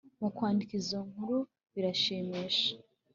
mu kwandika izo nkuru birashimisha